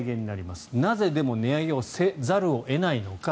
でも、なぜ値上げをせざるを得ないのか。